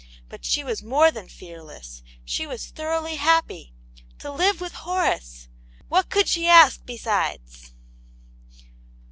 But she was more than fearless; she was thoroughly happy. To live with Horace I What could she ask besides